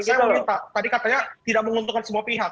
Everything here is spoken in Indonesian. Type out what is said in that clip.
saya meminta tadi katanya tidak menguntungkan semua pihak